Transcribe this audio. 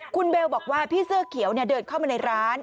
คุณเบลบอกว่าพี่เสื้อเขียวเดินเข้ามาในร้าน